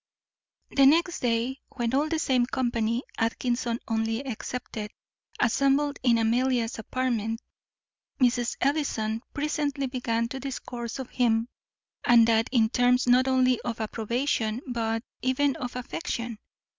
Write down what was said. _ The next day, when all the same company, Atkinson only excepted, assembled in Amelia's apartment, Mrs. Ellison presently began to discourse of him, and that in terms not only of approbation but even of affection.